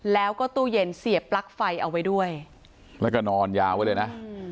แล้วก็ตู้เย็นเสียบปลั๊กไฟเอาไว้ด้วยแล้วก็นอนยาวไว้เลยนะ